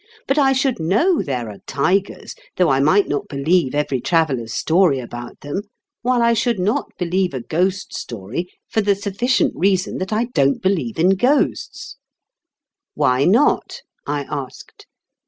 But I should know there are tigers, though I might not believe every traveller's story about them ; while I should not believe a ghost story for the sufficient reason that I don't believe in ghosts." "Why not?" I asked.